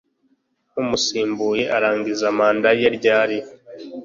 umusimbuye arangiza manda ye ryari